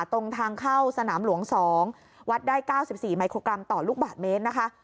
ตรงทางเข้าสนามหลวง๒วัดได้๙๔มิโครกรัมต่อลูกบาทเมตรนะคะ